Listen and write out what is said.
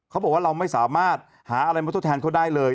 เขาบอกว่าเราไม่สามารถหาอะไรมาทดแทนเขาได้เลย